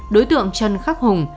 đối tượng trần khắc hùng